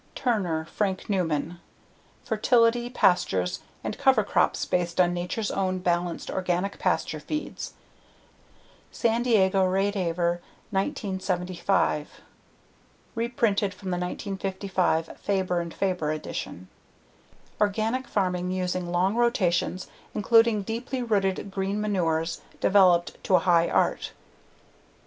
Turner, Frank Newman. Fertility, Pastures and Cover Crops Based on Nature's Own Balanced Organic Pasture Feeds. San Diego: Rateaver, 1975. Reprinted from the 1955 Faber and Faber, edition. Organic farming using long rotations, including deeply rooted green manures developed to a high art.